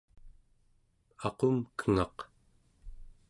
aqumkengaq